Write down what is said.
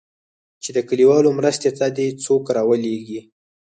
چې د كليوالو مرستې ته دې څوك راولېږي.